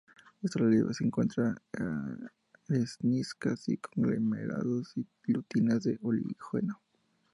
En otro relieve se encuentran areniscas, conglomerados y lutitas del Oligoceno.